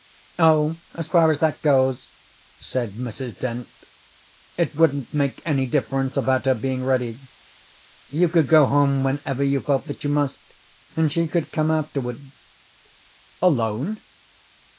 "Oh, as far as that goes," said Mrs. Dent, "it wouldn't make any difference about her being ready. You could go home whenever you felt that you must, and she could come afterward." "Alone?"